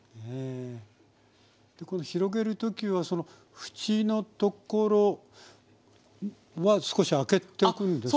でこれ広げる時は縁の所は少し空けておくんですか？